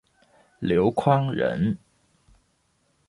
刘宽人。